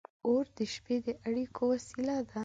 • اور د شپې د اړیکو وسیله وه.